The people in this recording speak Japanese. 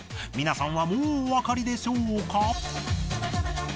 皆さんはもうおわかりでしょうか？